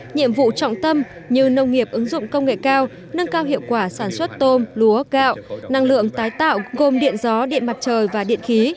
nhiệm vụ trọng tâm như nông nghiệp ứng dụng công nghệ cao nâng cao hiệu quả sản xuất tôm lúa gạo năng lượng tái tạo gồm điện gió điện mặt trời và điện khí